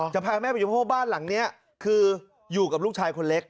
พาแม่ไปอยู่เพราะว่าบ้านหลังนี้คืออยู่กับลูกชายคนเล็ก